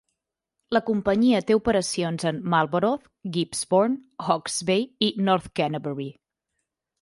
La companyia té operacions en Marlborough, Gisborne, Hawke's Bay i North Canterbury.